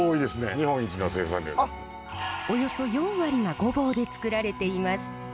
およそ４割が御坊でつくられています。